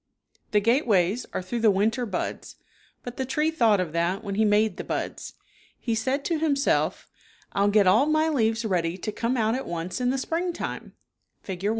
^he gateways are through the winter buds, but the tree thought of that when he made the buds. He said to himself, " I'll get all my leaves ready to come out at once in the springtime (Fig.